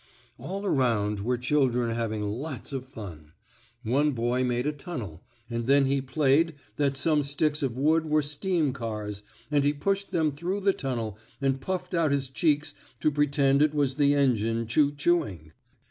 All around were children having lots of fun. One boy made a tunnel, and then he played that some sticks of wood were steam cars and he pushed them through the tunnel and puffed out his cheeks to pretend it was the engine choo chooing.